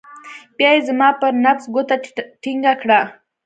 بيا يې زما پر نبض گوته ټينګه کړه.